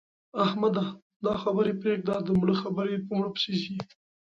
احمده! دا خبرې پرېږده؛ د مړه خبرې په مړه پسې ځي.